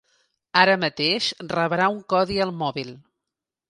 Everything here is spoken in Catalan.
Ara mateix rebrà un codi al mòbil.